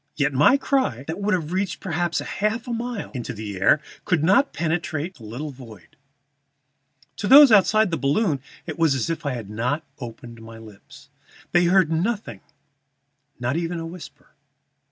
Yet my cry, that would have reached perhaps half a mile in air, could not penetrate that little void. To those outside the balloon it was as if I had not opened my lips. They heard nothing, not even a whisper.